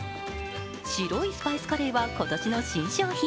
白いスパイスカレーは今年の新商品。